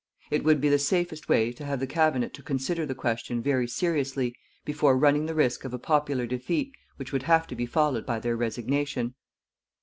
It would be the safest way to have the Cabinet to consider the question very seriously before running the risk of a popular defeat which would have to be followed by their resignation.